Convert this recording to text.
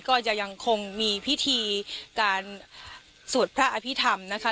ก็ยังคงมีการสูจน์พระอภิษฐรรมนะคะ